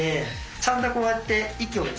ちゃんとこうやって息をですね